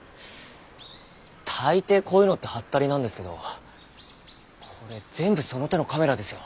大抵こういうのってハッタリなんですけどこれ全部その手のカメラですよ。